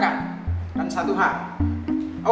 dan satu hal